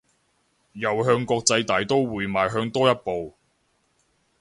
又向國際大刀會邁向多一步